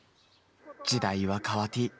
時代は変わてぃ